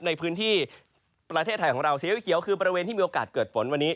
ในพื้นที่ประเทศไทยของเราสีเขียวคือบริเวณที่มีโอกาสเกิดฝนวันนี้